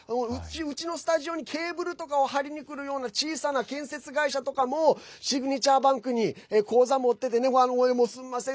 うちのスタジオにケーブルとかを張りに来るような小さな建設会社とかもシグネチャーバンクに口座を持っててねすんません